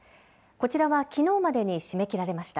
こちらは、きのうまでに締め切られました。